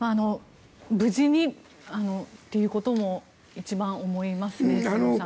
無事にということも一番思いますね、末延さん。